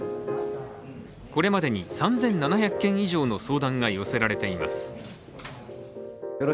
これまでに３７００件以上の相談が寄せられています。